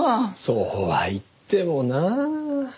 そうは言ってもなあ。